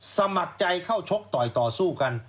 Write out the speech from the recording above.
สมัครใจเข้าชกต่อยต่อสู้กัน